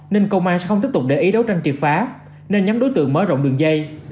nên công an sẽ không tiếp tục để ý đấu tranh triệt phá nên nhóm đối tượng mở rộng đường dây